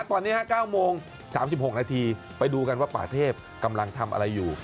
ตอนนี้๙โมง๓๖นาทีไปดูกันว่าป่าเทพกำลังทำอะไรอยู่